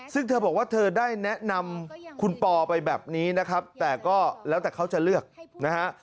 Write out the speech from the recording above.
ซึ่งเธอบอกว่าเธอได้แนะนำคุณปอไปแบบนี้นะครับแต่ก็แล้วแต่เขาจะเลือกนะฮะ